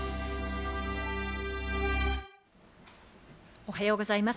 おはようございます。